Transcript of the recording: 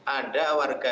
ada warga yang